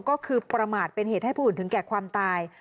ก็คือประมาทเป็นเหตุให้ผู้อื่นถึงแก่ความตาย